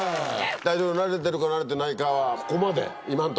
大統領なれてるかなれてないかはここまで今のとこ。